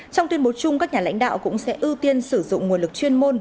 trong tuyên bố chung các nhà lãnh đạo cũng sẽ ưu tiên sử dụng nguồn lực chuyên môn